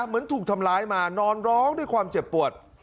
เหมือนถูกทำร้ายมานอนร้องด้วยความเจ็บปวด